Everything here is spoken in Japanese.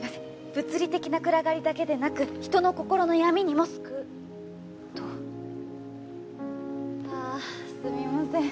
「物理的な暗がりだけでなく人の心の闇にも巣くうと」あすみません。